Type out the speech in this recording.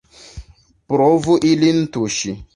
Provu ilin tuŝi!